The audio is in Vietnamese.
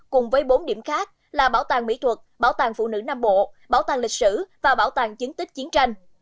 cùng với bốn điểm khác là bảo tàng mỹ thuật bảo tàng phụ nữ nam bộ bảo tàng lịch sử và bảo tàng chứng tích chiến tranh